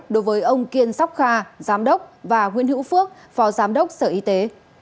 đối với ông kiên sóc kha giám đốc và nguyễn hữu phước phó giám đốc sở y tế